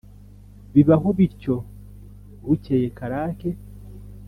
Bibaho bityo. Bukeye Karake